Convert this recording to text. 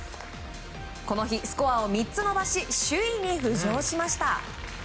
この日、スコアを３つ伸ばし首位に浮上しました。